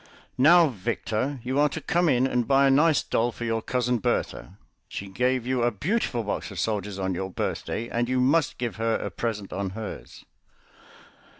"Now, Victor, you are to come in and buy a nice doll for your cousin Bertha. She gave you a beautiful box of soldiers on your birthday, and you must give her a present on hers."